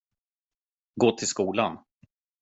Gå till skolan.